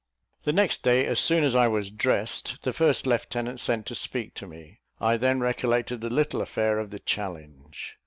The next day, as soon as I was dressed, the first lieutenant sent to speak to me. I then recollected the little affair of the challenge.